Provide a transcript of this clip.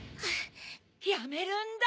やめるんだ！